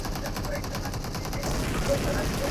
ډکه کاسه که چپه نسي، و خو به چړپېږي.